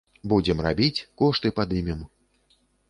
Будзем рабіць, кошты падымем.